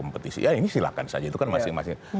petisi ya ini silakan saja itu kan masing masing